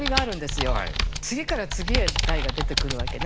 次から次へ題が出てくるわけね。